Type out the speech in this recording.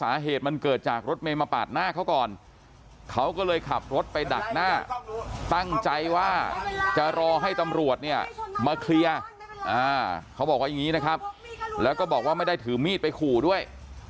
สาเหตุมันเกิดจากรถเมย์มาปาดหน้าเขาก่อนเขาก็เลยขับรถไปดักหน้าตั้งใจว่าจะรอให้ตำรวจเนี่ยมาเคลียร์เขาบอกว่าอย่างนี้นะครับแล้วก็บอกว่าไม่ได้ถือมีดไปขู่ด้วย